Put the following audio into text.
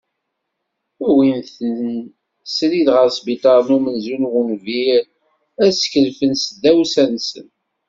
Uwin-ten srid ɣer sbiṭar n umenzu n wunbir ad skelfen s tdawsa-nsen.